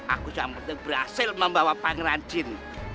aku yang penting berhasil membawa pangeran jin